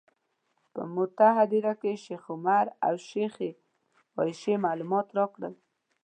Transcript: په موته هدیره کې شیخ عمر او شیخې عایشې معلومات راکړل.